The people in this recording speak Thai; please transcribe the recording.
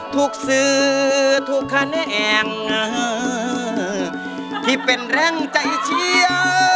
ทุกสื่อทุกคะแน่งที่เป็นแรงใจเชียร์